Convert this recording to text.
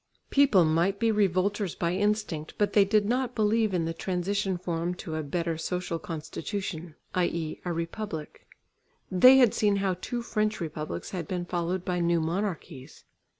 People might be revolters by instinct, but they did not believe in the transition form to a better social constitution, i.e. a republic. They had seen how two French republics had been followed by new monarchies.